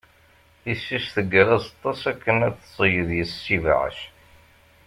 Tisist teggar azeṭṭa-s akken ad d-tseyyeḍ yess ibɛac.